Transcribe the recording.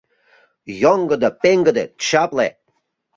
Йоҥгыдо, пеҥгыде, чапле.